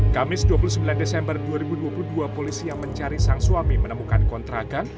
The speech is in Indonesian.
kamis dua puluh sembilan desember dua ribu dua puluh dua polisi yang mencari sang suami menemukan kontrakan